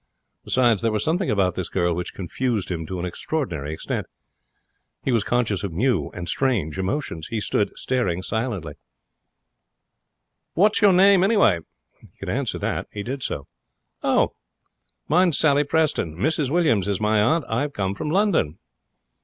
Besides, there was something about this girl which confused him to an extraordinary extent. He was conscious of new and strange emotions. He stood staring silently. 'What's your name, anyway?' He could answer that. He did so. 'Oh! Mine's Sally Preston. Mrs Williams is my aunt. I've come from London.'